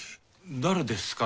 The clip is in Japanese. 誰ですか？